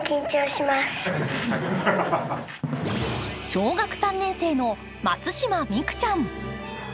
小学３年生の松島美空ちゃん。